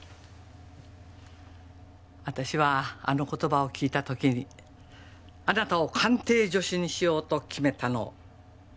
私はあの言葉を聞いた時にあなたを鑑定助手にしようと決めたの。